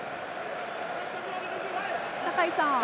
酒井さん